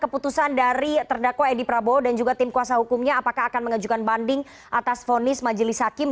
keputusan dari terdakwa edi prabowo dan juga tim kuasa hukumnya apakah akan mengajukan banding atas vonis majelis hakim